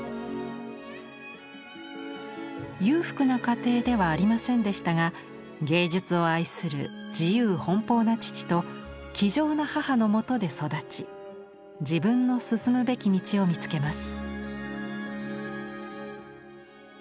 裕福な家庭ではありませんでしたが芸術を愛する自由奔放な父と気丈な母のもとで育ち自分の進むべき道を見つけます。